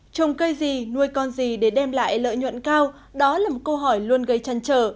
trồng cây gì nuôi con gì để đem lại lợi nhuận cao đó là một câu hỏi luôn gây chăn trở